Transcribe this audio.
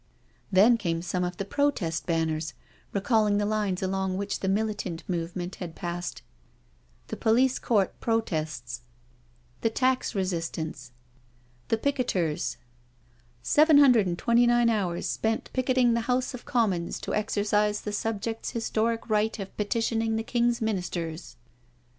Then came some of the " protest banners," recalling the lines along which the Militant Movement had passed —" The Police Court protests," '* The Tax resistance," "The Picketers *•— "729 hours spent picketing the House of Conunons to exercise the subject's historic right of petitioning the King's Ministers."